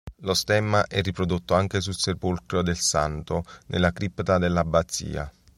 Lo stemma è riprodotto anche sul sepolcro del Santo nella cripta dell'Abbazia.